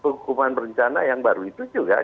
hukuman berencana yang baru itu juga